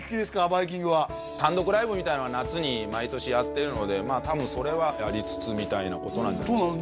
バイきんぐは単独ライブみたいなのは夏に毎年やってるのでまあ多分それはやりつつみたいなことなんでどうなの？